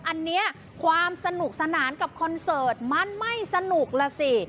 อันนี้ความสนุกสนานกับคอนเสิร์ตมันไม่สนุกล่ะสิ